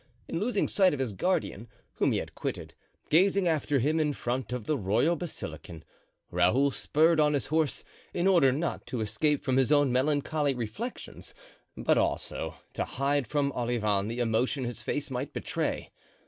In losing sight of his guardian, whom he had quitted, gazing after him in front of the royal basilican, Raoul spurred on his horse, in order not only to escape from his own melancholy reflections, but also to hide from Olivain the emotion his face might betray.